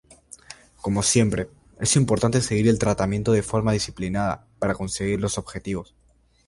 Como siempre, es importante seguir el tratamiento de forma disciplinada para conseguir los objetivos.